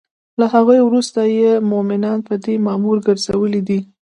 له هغوی وروسته یی مومنان په دی مامور ګرځولی دی